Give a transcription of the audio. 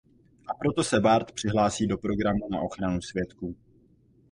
A proto se Bart přihlásí do Programu na ochranu svědků.